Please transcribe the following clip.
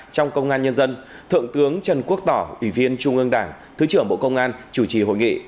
trong công an nhân dân thượng tướng trần quốc tỏ ủy viên trung ương đảng thứ trưởng bộ công an chủ trì hội nghị